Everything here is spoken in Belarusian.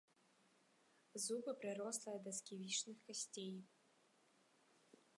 Зубы прырослыя да сківічных касцей.